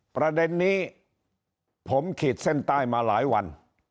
ประเด็นนี้ผมขีดเส้นใต้มาหลายวัน